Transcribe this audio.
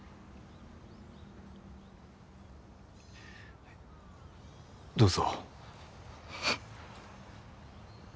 はいどうぞ。